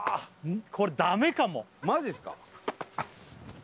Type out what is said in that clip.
これダメかもマジですか？